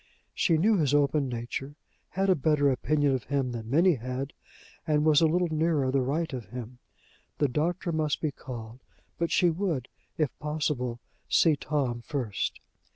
She knew his open nature, had a better opinion of him than many had, and was a little nearer the right of him. The doctor must be called; but she would, if possible, see Tom first.